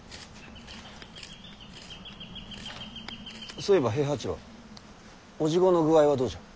そういえば平八郎叔父御の具合はどうじゃ？